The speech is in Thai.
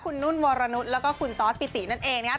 คุณนุ่นวรนุษย์แล้วก็คุณตอสปิตินั่นเองนะครับ